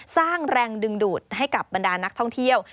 สร้างแรงดึงดูดให้กับบรรดานักท่องเที่ยว